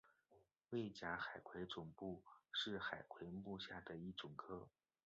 甲胄海葵总科是海葵目下的一总科。